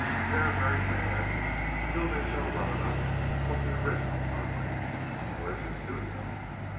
"They are very bad. Still they show well enough what the originals are like. Where is your studio?"